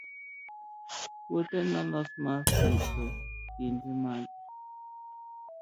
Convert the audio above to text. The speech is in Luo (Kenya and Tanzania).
puothe nolos mar pitho kinde mage?